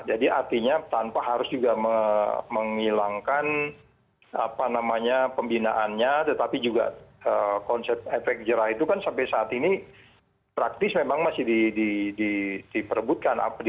jadi artinya tanpa harus juga menghilangkan apa namanya pembinaannya tetapi juga konsep efek jerah itu kan sampai saat ini praktis memang masih diperbutkan diperdik